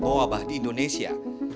berwabah di indonesia